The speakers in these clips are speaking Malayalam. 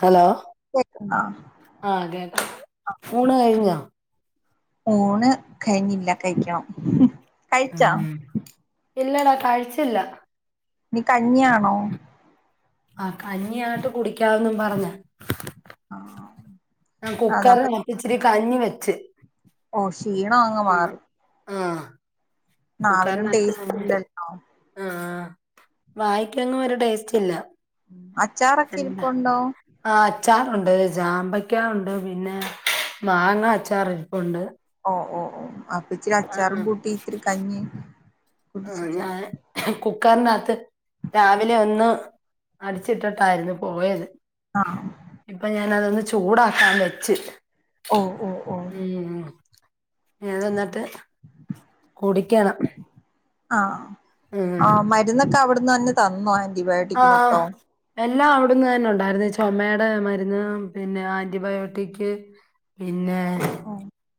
ഹലോ കേക്ക്ന്നാ ആഹ് കേക് ഊണ് കഴിഞ്ഞോ? ഊണ് കഴഞ്ഞില്ല. കഴിക്കണം. കഴിച്ചാ ഇല്ലടാ കഴ്ചില്ല നി കഞ്ഞിയാണോ? ആഹ് കഞ്ഞിയ ആട്ട് കുടിക്കാന്നും പറഞ്ഞ ആഹ് ഞാ കുക്കറി അതപ്പൊ [unintelligible] പ്പച്ചിരി കഞ്ഞി വെച്ച് ക്ഷീണോ അങ്ങ് ഉം മാറി ആഹ് കുക്കറിനത്ത് ടേസ്റ്റ് ഇല്ലല്ലോ ആഹ് വായിക്കങ്ങും ഒരു ടേസ്റ്റ് ഇല്ല. എന്താ അച്ചാറൊക്കെരിപ്പുണ്ടോ? ആഹ് അച്ചാറുണ്ട് ചാമ്പയ്ക്ക ഉണ്ട് പിന്നെ മാങ്ങ അച്ചാർ ഇരിപ്പുണ്ട് ഓ ഓ ഓ അപ്പൊ ഇച്ചിരി അച്ചാറും ആഹ് കൂട്ടി ഇത്തിരി കഞ്ഞി ആഹ് കുടിച്ചിട്ട് ഞാന് കുക്കറിനകത്ത് രാവിലെ ഒന്ന് അടിച്ചിട്ടിട്ടായിരുന്നു പോയത് ആഹ് ഇപ്പൊ ഞാനതൊന്ന് ചൂടാക്കാൻ വെച്ച് ഓ ഓ ഓ ഉം ഏതന്നട്ട് കൂടിക്കണം ആഹ് ആഹ് മരുന്നൊക്കെ അവിടുന്നഞ്ഞെ തന്നോ ആന്റിബയോട്ടിക്ക് മൊത്തം എല്ല അവിട്ന്ന് തന്നെ ഉണ്ടായിരുന്നു ചുമമ്മയുടെ മരുന്ന് പിന്നെ ആന്റിബയോട്ടിക്ക് ങ്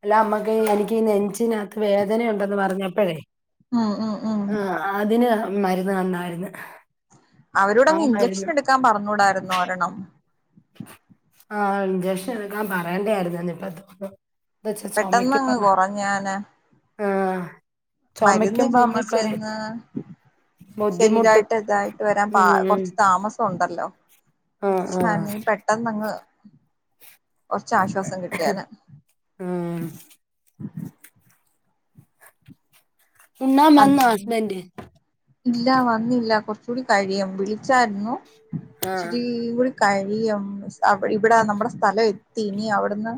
ല്ല അമ്മക്ക് എനിക്ക് നെഞ്ചിനകത്ത് വേദനുണ്ടെന്ന് പറഞ്ഞപ്പോഴേ ഉം ഉം ഉം ആഹ് അതിന് മരുന്ന് ത ന്നായിരുന്നു അവരോട് അങ്ങ് ഇഞ്ചക്ഷൻ എടുക്കാൻ പറഞ്ഞൂടായിരുന്നു ഒരെണം ആ ഇഞ്ചക്ഷൻ എടുക്കാൻ പറയേണ്ടായിരുന്നു ഇപ്പ തോന്നു എന്താച്ഛാ പെട്ടെന്നങ്ങ് ചുമക്കുപ്പം മ്മ് കൊറഞ്ഞേനെ ആ മരുന്ന് പിന് ചെന്ന് ബുദ്ധിമുട്ട് ശരീരമായിട്ട് ഇതായിട്ട് വരാൻ ഉം കുറച്ച് താമസം ഉണ്ട് ലോ ആഹ് ഇഞ്ചക്ഷൻ ആഹ് ആയിരൂനേകിൽ പെട്ടെന്ന് അങ്ങ് കുറച്ചാശ്വാസം കിട്ടിയേനെ ഉം ഉണ്ണാൻ വന്നോ ഹസ്ബൻഡ് ഇല്ല വന്നില്ല കുറച്ച കൂടി കഴിയും വിളിച്ചായിരുന്നു ആഹ് ഇച്ചരി കഴി യും ഇവിടെ നമ്മുടെ സ്ഥലം എത്തി ഇനി അവിടുന്ന്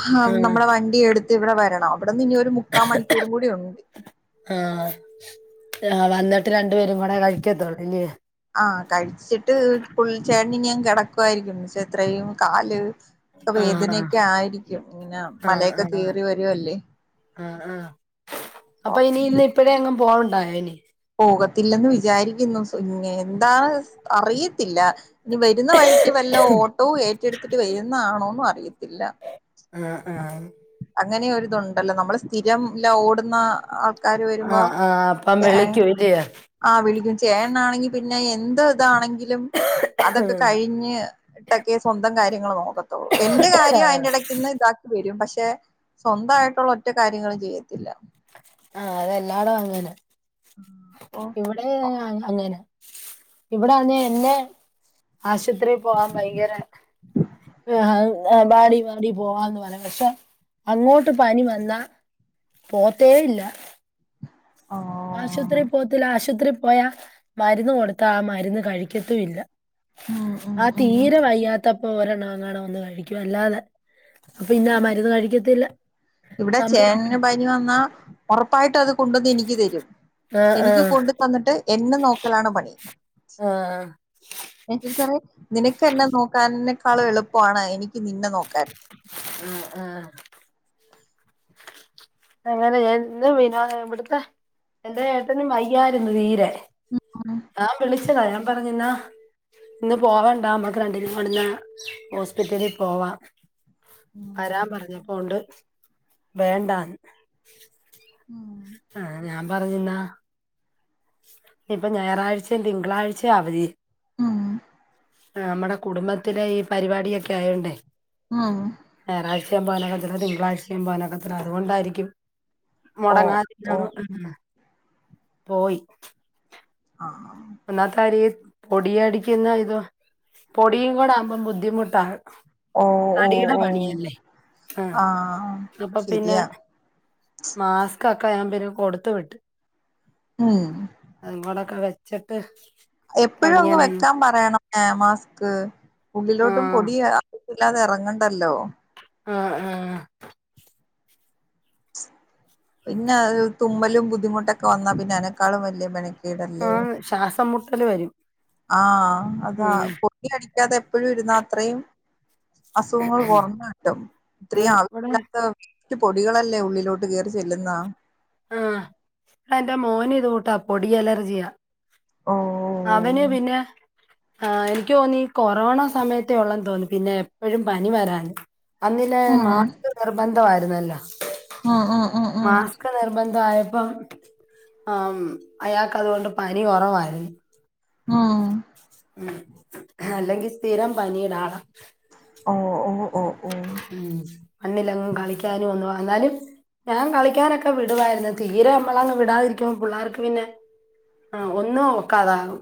ആ ആഹ് നമ്മുടെ വണ്ടി എടുത്ത് ഇവിടെ വരണം അവിടെന്ന് ഇനി ഒരു മുക്കാ മണിക്കൂറും കൂടി ഒളു ആ ആ വന്നിട്ട് രണ്ട് ആ കഴിച്ചിട്ട് പുള്ളി ച്ചേ [unintelligible] കിടക്കുമായിരിക്കും പക്ഷ ഇത്രയും കാല് ഒക്കെ ആഹ് വേദനയൊക്കെ ആയിരിക്കും ഇങ്ങനെ മലയൊക്കെ കേറി വരുവല്ലേ ആ ആ അപ്പൊ ഇനി ഇന്ന് ഇപ്പഴേ എ ങ്ങ് പോവാനണ്ടായോ ഇനി പോകത്തില്ലെന്ന് വിചാരിക്കുന്നു എന്താണ് അറിയത്തില്ല ഇനി വരുന്ന വഴിക്ക് വല്ല ഓട്ടോവും ഏറ്റെടുത്തിട്ട് വരുന്നാണോന്നും അറിയത്തില്ല ആ ആ അങ്ങനെയൊ ഒരുരിതുണ്ടല്ലോ നമ്മൾ സ്ഥിരം ഇല്ല ഓടുന്ന കാര് വരുമ്പോ ആഹ് ആഹ് അപ്പം വിളിക്കും ഇല്ലിയോ ആ വിളിക്ക ചേണ ആണെങ്കി പിന്നെ എന്ത ഇതാണെങ്കും അതൊക്കെ കഴിഞ്ഞഞ് ഇട്ടൊക്കെ സ്വന്തം കാര്യങ്ങൾ നോക്കും എന്റെ കാര്യം അതിന്റെ ആഹ് ഇടക്ക് നിന്ന് ഇതാക്കി വരും പക്ഷെ സ്വന്തായിട്ടുള്ള ഒറ്റ കാര്യങ്ങളും ചെയ്യത്തില്ല ആ അതെല്ലാടും അങ്ങനെ അപ്പൊ ഇവിടെ അങ്ങനെ ഇവിടെന്ന് എന്നെ ആശുപത്രിയിൽ പോകൻ ഭയങ്കര ആ ബാടി വാടി പോവാ പക്ഷെ അങ്ങോട്ട് പനി വന്നാ പോവ ത്തേ ഇല്ല ആ ആശുപത്രിയിൽ പോത്തില്ല ആശുപത്രിയിൽ പോയാ മരുന്ന് കൊടുത്ത ആ മരുന്ന് കഴിക്കതും ഇല്ല ഉം ഉം ആ ഉം തീരെ വയ്യാആത്ത അപ്പൊ ഒരെണ്ണം അങ്ങാണ ഒന്ന കഴിക്കും അല്ലാതെ അപ്പൊ പിന്ന ആ മരുന്ന് കഴിക്കത്തില്ല ഇവിടെ നമ്മളെടുത്ത് ചേനന്ന് പനി വന്നാ ഉറപ്പായിട്ട് അത് കൊണ്ടുവന്ന് എനിക്ക് രും ആഹ് എനിക്ക് ആഹ് കൊണ്ടു തന്നിട്ട് എന്നെ നോക്കലാണ് പണി ആഹ് [unintelligible] നിനക്ക് എന്നെ നോക്കാൻ ക്കാളു എളുപ്പമാണ് എനിക്ക് നിന്നെ നോക്കാൻ ആ ആ അങ്ങനെ ഇന്ന് വിനോ ഇവിടുത്തെ എന്റെ ഏട്ടനും വയ്യായിരുന്നു തീരെ ഉം ആ വിളിച്ചതാ ഞാൻ പറഞ്ഞന്നാ ഇന്ന് പോവാണ്ടാ നമ്മക്ക് രണ്ടിനീ കൊണ്ട്ഹോസ്പിറ്റലിൽ പോവാ വരാൻ പറഞ്ഞപ്പോണ്ട് വേണ്ടാന് ഉം ആ ഞാൻ പറഞ്ഞിന്നാ ഇപ്പൊ ഞായറാഴ്ചയും തിങ്കളാഴ്ചയും അവധി ഉം നമ്മടെ കുടുംബത്തിലെ ഈ പരിപാടിയൊക്കെ ആയോണ്ടേ ആ [unintelligible] തിങ്കളാഴ്ചയും പോനക്ക അതുകൊണ്ടായിരിക്കും ഓ ഓ മുടങ്ങാതിരുനാണ് ഉ പോയി ആഹ് ഒന്നാത്തെ കരി പൊട അടിക്കുന്ന ഇത പൊടിയും കൂടെ ആകുമ്പോം ബുദ്ധിമുട്ടാണ് ഓ ഓ തടിയുടെ ഓ പണിയല്ലേ ആഹ ആഹ് അപ്പൊ പിന്നെ ശരിയാ മാസ്ക്ൊക്കെ ഞാൻ പിന്ന കൊടുത്ത വിട്ട് ഉം അെ വെച്ചിട്ട് എപ്പോഴും അങ്ങ് വെക്കാൻ പറയണം ഏ മാസ്ക് ആ മുകളിലോട്ടും പൊടി ല്ലാതെറങ്ങണ്ടല്ലോ ആഹ ആഹ പിന്നെ തുമ്മലും ബുദ്ധിമുട്ടൊക്കെ വന്നാ പിന്നെ അനക്കാളും വലിയ മണ ആഹ ശ്വാസം മുട്ടല് വരും ആഹ അതാ ഉം പൊടി അടിക്കാതെ എപ്പോഴും ഇരുന്നാ അത്രയും അസുഖങ്ങൾ കുറഞ്ഞ കട്ടും ഇത്രയും ആന്ന് ഇവിടെ ആവശ്യമില്ലാത്ത മറ്റ് പൊടികളല്ലേ ഉള്ളിലോട്ട് കയറി ചെല്ലുന്നാ ആഹ എന്റെ മോന് ഇത് കൂട്ടാ പൊടി അലർജിയാ ഓ അവന് പിന്നെ ആ എനിക്ക് തോന്നി ഈ കൊറോണ സമയത്തേ ഉള്ളെന്ന് തോന്നി പിന്നെ എപ്പോഴും പനി വരാാന് അന്നില്ലേ മാസ് നിർബന്ധയിുന്നല്ലോ ഉഹ ഉഹ ഉം ഉം ബന്ധയപ്പോം ആ അയാൾക്ക്തുകൊണ്ട് പനി ഉറായിരുന്നു ആഹ ഉ അല്ലെങ്കിൽ സ്ഥിരം പനടാളാം ഓ ഓ ഓ ഉ മണ്ണിലും കളിക്കാനും ഒന്ന് വന്നാലും ഞാൻ കളിക്കാനൊക്കെ വിടുവായിരുന്നു തീരെ നമ്മളങ്ങ് വിടാതിരിക്കുമ പിള്ളേർക്ക് പിന്നെ ആഹ് ഒന്നും ഒക്കാതാകും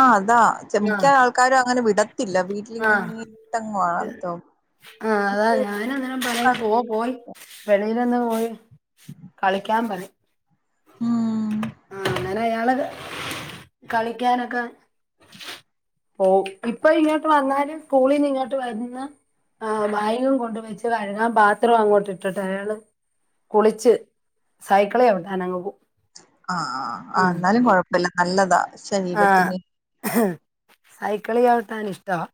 ആഹ് അതാ ചമി. ആ ക്കാ. ആൾക്കാരും അങ്ങനെ വിടത്തില്ല ആ വീട്ടിലിങ്ങനെട്ടങ്ങ വളർത്തും ആഹ് അതാ ഞാന അന്നേം പല പോവാ പോൻ വെളിയിലൊന്ന് പോയി കളിക്കാൻ പ ഉം ആഹ് അങ്ങനെ ഞള് കളിക്കാനൊക്കെ പോ ഇപ്പൊ ഇങ്ങോട്ട് വന്നാല് സ്കൂളീന്ന് ഇങ്ങോട്ട് വരുന്ന ആഹ് വയങ്ങം കൊണ്ട് വെച്ച് കഴുകാൻ പാത്രം അങ്ങോട്ട് ഇട്ടിട്ട് അയാള് കുളിച്ച് സൈക്കള് ചവിടാനങ്ങ് പോവും ആഹ് ആഹ് ന്നാലും കൊഴപ്പല്ല നല്ലതാ ശരീരത്തിന് ആഹ് സൈക്കിളി ചവിട്ടാൻ ഇഷ്ടമാ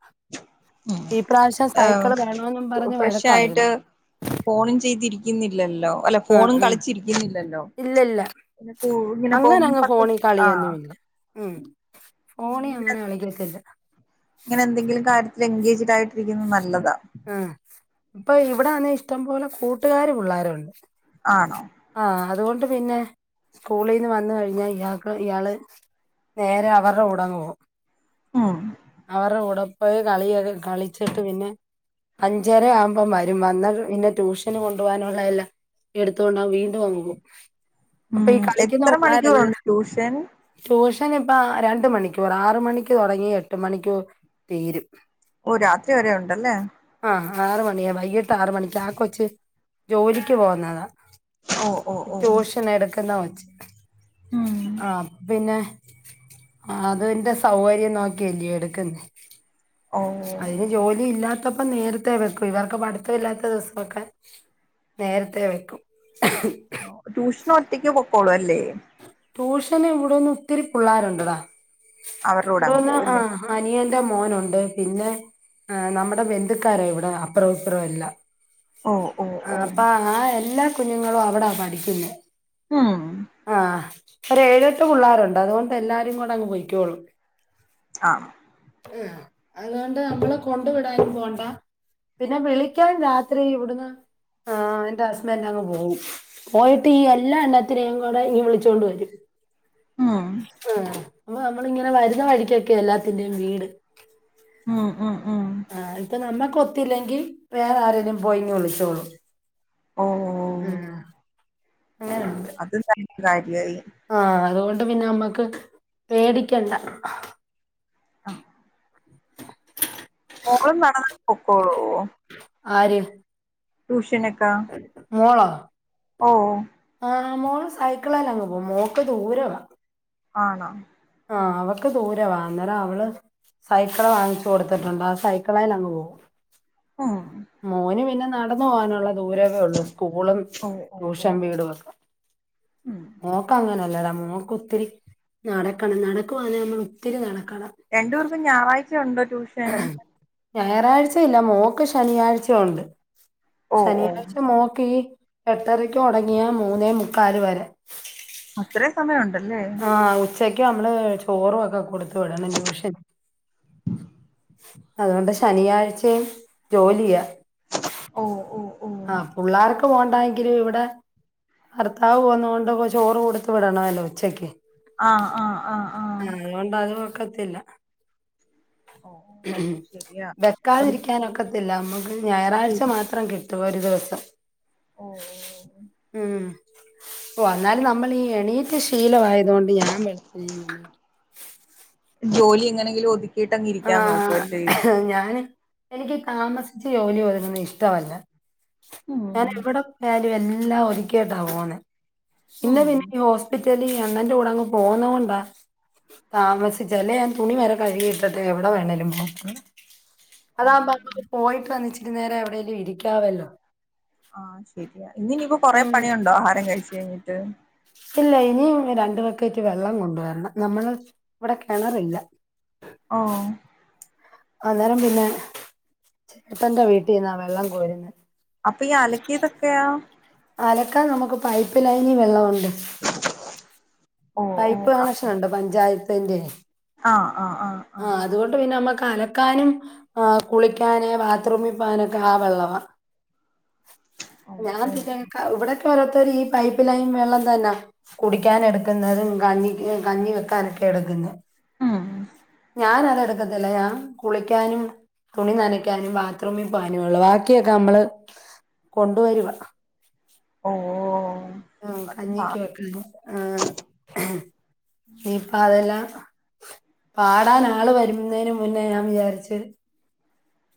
ഉം ഇപ്രാവശ്യം ഏഹ് സൈക്കിള് വേണന്നും പറഞ്ഞഞ് വഴക്കാര്ന്നു ഫ്രഷായിട്ട് ഫോണും ചെയ്തിരിക്കുന്നില്ലല്ലോ അല്ല ഫോണും കളിച്ചിരിക്കുന്നില്ലല്ലോ ഇല്ലല്ല പിന്നെ കൂ ഇങ്ങനെ അങ്ങന പോകുമ്പോ അങ്ങ് പത്ത് ഫോണിൽ ആഹ് കളിയൊന്നുമില്ല ഉം ഫോണി ഇങ്ങനെ അങ്ങനെ കളിക്കത്തില്ല ഇങ്ങനെ എന്തെങ്കിലും കാര്യത്തില് എൻഗേജഡ് ആയിട്ടിരിക്കുന്നത് നല്ലതാ ആഹ് അപ്പൊ ഇവിടെവന്ന് ഇഷ്ടം പോലെ കൂട്ടുകാര് പിള്ളേരുണ്ട് ആണോ ആഹ് അതുകൊണ്ട് പിന്നെ സ്കൂളീന്ന് വന്ന് കഴിഞ്ഞാ ഇയാൾക്ക് ഇയാള് നേരെ അവരുടെ കൂടങ്ങ് പോകും ഉം അവരുടെ കൂടെ ഒരു കളി കളിച്ചിട്ട് പിന്നെ അഞ്ചര ആവുമ്പം വരും വന്ന് പിന്നെ ട്യൂഷന് കൊണ്ടു പോകാനുള്ളതെല്ലാം എടുത്തോണ്ട് അഹ് വീണ്ടും വന്നു അപ്പേ ഉം ഈ കളിക്ക്ണ എത്ര മണിക്കൂറുണ്ട് പിള്ളേരെല്ലം ട്യൂഷൻ ട്യൂഷ [unintelligible] ഇപ്പ രണ്ട് മണിക്കൂറ് ആറ് മണിക്ക് തുടങ്ങി എട്ട് മണിക്കൂ തീരും ഓ രാത്രി വരേ ഉണ്ടല്ലേ ആഹ് ആറ് മണിയാ വൈകീട്ട് ആറ് മണിക്ക് ആക്കൊച്ച് ജോലിക്ക് പോവുന്നതാ ഓ ഓ ഓ ട്യൂഷനെടുക്കുന്ന കൊച്ച് ഉം ആഹ് പിന്നെ ആഹ് അതിന്റെ സൗകര്യം നോക്കിയല്ലേ എടുക്കുന്നേ ഓ അയ്ന് ജോലി ഇല്ലാ ത്തപ്പം നേരത്തേ വെക്കും ഇവർക്ക് പഠിത്തം ഇല്ലാത്ത ദിവസവൊക്കെ നേരത്തേ വെക്കും ട്യൂഷനൊറ്റക്ക് പൊക്കോളു അല്ലേ ട്യൂഷന് ഇവ്ട്ന്ന് ഒത്തിരി പിള്ളാരൊണ്ടടാ അവരുടെ കൂടെ അങ്ങ് ഇവ്ട്ന്ന് പോവും അല്ലേ ആഹ് അനിയൻ്റെ മോനുണ്ട് പിന്നെ ആ നമ്മുടെ ബന്ധുക്കാരാ ഇവിടെ അപ്പറോംഇപ്പറോം എല്ലാം ഓ ഓ ഓ ആഹ് അപ്പൊ ആ എല്ലാ കുഞ്ഞുങ്ങളും അവിടാ പഠിക്കുന്നെ ഉം ആഹ് ഒരേഴെട്ട് പുള്ളാരൊണ്ട് അതുകൊണ്ട് എല്ലാരും കൂടങ്ങ് പൊയ്ക്കോളും ആഹ് [unintelligible] അതുകൊണ്ട് നമ്മള് കൊണ്ട് വിടാനും പോണ്ടാ പിന്നെ വിളിക്കാൻ രാത്രി ഇവ്ട്ന്ന് ആഹ് എന്റെ ഹസ്ബെൻ്റങ്ങ് പോകും പോയിട്ട് ഈ എല്ലാ എണ്ണത്തിനേയും വിടെ ഇങ്ങ് വിളിച്ചോണ്ട് വരും ഉം ആഹ് മ്മ അമ്മളിങ്ങനെ വരുന്ന വഴിക്കൊക്കെയാ എല്ലാത്തിന്റെയും വീട് ഉം ഉം ഉം ആഹ് ഇപ്പ നമ്മക്ക് ഒത്തില്ലെങ്കി വേറെ ആരേലും പോയിങ്ങ് വിളിച്ചോളും ഓഹ് ആഹ് അതെന്തായാലും കാര്യായി ആഹ് അതുകൊണ്ട് പിന്നെ നമ്മക്ക് പേടിക്കണ്ട ആഹ് മോളും നടന്നങ്ങ് പൊക്കോളുവോ ആര് ട്യൂഷനെക്കാ മോളോ ഓഹ് ആഹ് മോള് സൈക്കിളേലങ്ങ് പോം മോക്ക് ദൂരവാ ആണോ ആഹ് അവക്ക് ദൂരവാ അന്നേരം അവള് സൈക്കള് വാങ്ങിച്ചു കൊടുത്തിട്ടൊണ്ട് ആ സൈക്കിളേലങ്ങ് പോകും ഉം മോന് പിന്നെ നടന്ന് പോവാനുള്ള ദൂരവേ ഒള്ളൂ സ്കൂളും ഓ ഓ ഓ ട്യൂഷൻ ഓ വീടുവൊക്കെ ഉം മോക്കങ്ങന നല്ലത മോക്ക് ഒത്തിരി നടക്കണം നടക്കുവാന്നേ നമ്മള് ഒത്തിരി നടക്കണം രണ്ട് പേർക്കും ഞാറാഴ്ച ഒണ്ടോ ട്യൂഷൻ ഞായറാഴ്ച ഇല്ല മോക്ക് ശനിയാഴ്ച ഒണ്ട് ഓ ഓ ശനിയാഴ്ച മോക്ക് ഈ എട്ടരയ്ക്കു തൊടങ്ങിയാ മൂന്നേ മുക്കാല് വരെ അത്രേം സമയൊ ആഹ് ഉച്ചക്ക് നമ്മള് ചോറും ഒക്കെ കൊടു ത്തുവിടണം ട്യൂഷൻ അതുകൊണ്ട് ശനിയാഴ്ചേ- ജോലിയാ- ഓഹ് ഓഹ് - ആഹ് പുള്ളാർക്ക്- ക്ക്പോണ്ടാഎങ്കിലും ഇവിടെ ഭർത്താവ് പോന്നകൊണ്ട് ചോറ് കൊടുത്ത് വിടണവല്ലോ ഉച്ചക്ക്- ആഹ് ആഹ് ആഹ്- ആഹ് അത്കൊണ്ടതും ഒക്കത്തില്ല- ഓ ശരിയാ ഒരു വെക്കാതിരിക്കാനൊക്കത്തില്ല - ഞായറാഴ്ച മാത്രം കിട്ടും ഒരു ദിവസം ഓ ഉം- ഓ അന്നാലും അമ്മളീ എണീറ്റ് ശീലവായതുകൊണ്ട് ഞാൻ വെളുപിനങ്ങ് ജോലി എങ്ങനെയെങ്കിലും ഒതുക്കീട്ടങ്ങ് ഇരിക്കാൻ നോക്കുവല്ലേ- ആഹ് ഞാന് എനിക്ക് താമസിച്ച് ജോലി ഒതുങ്ങുന്ന ഇഷ്ടവല്ല ഉം ഞാനെവിടെ പോയാലും എൽ ല്ലാ ഒതുക്കിയിട്ടാ പോന്നെ ഇന്ന് ഉം പിന്നി നി ഹോസ്പി റ്റലീ ഞാണ്ണന്റെ കൂടങ്ങ് പോന്നോണ്ടാ താമസിച്ചേ ല്ലേ ഞാൻ തുണി വരെ കഴുകി- ഇട്ടിട്ടെഎവടെ വേണേലും പോക്ക് അതാ ഓ ആവുമ്പം പോയിട്ട് വന്ന് ചെ ഇത്തിരി നേരം എവടെലും ഇരിക്കാവല്ലോ? ആഹ് ശെരിയാ ഇന്ന് ഇനിയിപ്പോ കൊറെ ഉം പണിയേണ്ടോ ആഹാരം കഴിച്ച് കഴിഞ്ഞിട്ട്? ഇല്ല ഇനിയും രണ്ട് ബക്കാറ്റ് വെള്ളം കൊണ്ട് വെരണം നമ്മള് ഇവടെ കെണെറില്ലാ- ഓഹ് - അന്നേരം പിന്നെ ചേട്ടന്റെ വീട്ടിന്നാ വെള്ളം കോര്ന്നേ- അപ്പൊ ഈ അലക്കിയതൊക്കെയാ അലക്കാൻ നമ്ക്ക് പൈപ്പ് ലൈനി വെള്ളോ ഓ ഓ പൈപ്പ് കണക്ഷൻ ഒണ്ട് പഞ്ചായത്തിന്റെ- ആഹ് അത് കൊണ്ട് പിന്നെ നമ്മ അലക്കാനും ആഹ് കുളിക്കാന് ബാത്റൂമി പാനാക്കെ ആ വെള്ളവാ- ഓ ഞാൻ ഓ പിന്നെ ക ഇവടെ [unintelligible] ഓരോത്തര് ഈ പൈപ്പ് ലൈൻ വെള്ളം തന്നാ കുടിക്കാൻ എട്ക്ക്ന്നതും കഞ്ഞിക്ക് കഞ്ഞി വെക്കാൻ എട് എട്ക്ക്ന്നേ ഉം ഞാനത് എട്ക്കത്തില്ല ഞാനത് കുളിക്കാനും തുണി നനയ്ക്കാനും ബാത്തറൂമി പോവാനും ഒള്ളു ബാക്കിയൊക്കെ നമ്മള് കൊണ്ട് വരുവാ ഓഹ് ആഹ് കഞ്ഞിക്ക് വെക്കാന് ആഹ് ഇനിപ്പാ അതെല്ലാം പാടാൻ ആള് വെര്ന്നേന് മുന്നേ ഞാൻ വിചാരിച്ച്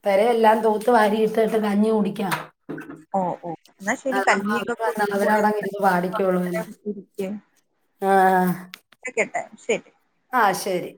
പെരെല്ലാം തൂത്ത് വാരി ഇട്ടിട്ട് കഞ്ഞി കുടിക്കാം ഓ ഓ എന്നാ ശരി [unintelligible] കഞ്ഞിയൊക്കെ കുടിച്ച് വന്നവര അവടെ അങ്ങ് ഇരുന്ന് പാടിക്കൊള്ളൂം ഗുളികയൊക്കെ ഇരിക്ക് ആഹ് കേട്ടേ ശെരി ആഹ് ശെരി